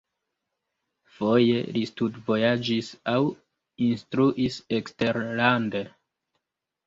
Foje li studvojaĝis aŭ instruis eksterlande.